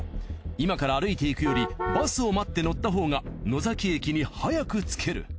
今から歩いていくよりバスを待って乗ったほうが野崎駅に早く着ける。